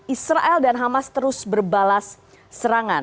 israel dan hamas terus berbalas serangan